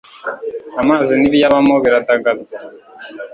amazi n'ibiyabamo biradagadwa